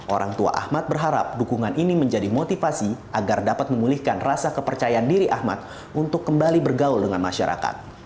orang tua ahmad berharap dukungan ini menjadi motivasi agar dapat memulihkan rasa kepercayaan diri ahmad untuk kembali bergaul dengan masyarakat